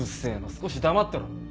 少し黙ってろ。